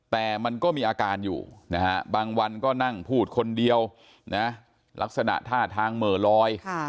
แต่มันก็มีอาการอยู่นะฮะบางวันก็นั่งพูดคนเดียวนะลักษณะท่าทางเหม่อลอย